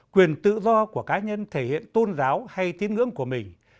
quyền tự do của cá nhân thể hiện tôn giáo hay tín ngưỡng của mình